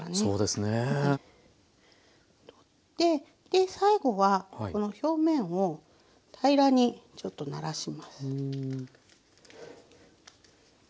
で最後はこの表面を平らにちょっとならします。